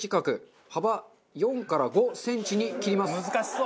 難しそう！